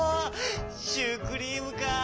シュークリームかあ。